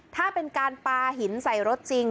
ถ้าเป็นการปลาหินใส่รถจริง